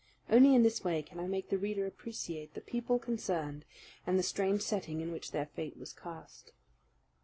Only in this way can I make the reader appreciate the people concerned and the strange setting in which their fate was cast.